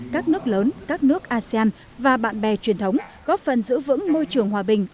các nước lớn các nước asean và bạn bè truyền thống góp phần giữ vững môi trường hòa bình